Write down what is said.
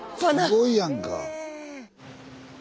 すごいやんか。